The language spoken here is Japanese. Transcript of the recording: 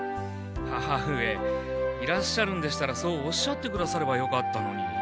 母上いらっしゃるんでしたらそうおっしゃってくださればよかったのに。